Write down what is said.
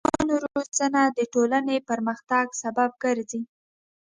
د ماشومانو روزنه د ټولنې پرمختګ سبب ګرځي.